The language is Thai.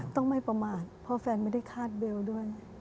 ต้องไม่ประมาทเพราะแฟนไม่ได้คาดเบลด้วย